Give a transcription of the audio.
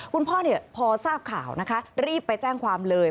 คุณพ่อพอทราบข่าวนะคะรีบไปแจ้งความเลย